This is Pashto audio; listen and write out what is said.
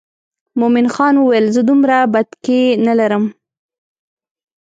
مومن خان وویل زه دومره بتکۍ نه لرم.